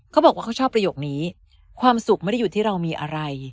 เขาบอกว่าเขาชอบประโยคนี้ความสุขไม่ได้อยู่ที่เรามีอะไร